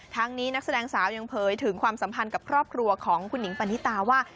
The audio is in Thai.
ทั้งนี้นักแสดงสาวยังเผยถึงความสัมพันธ์กับครอบครัวของคุณหิงปณิตาว่า